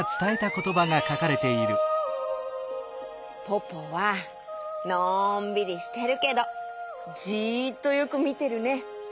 ポポはのんびりしてるけどじっとよくみてるね！